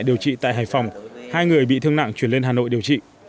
điều trị tại hải phòng hai người bị thương nặng chuyển lên hà nội điều trị